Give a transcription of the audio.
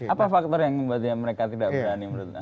apa faktor yang membuatnya mereka tidak berani menurut anda